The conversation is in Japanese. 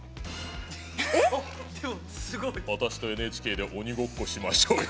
「私とＮＨＫで鬼ごっこしましょうよ」。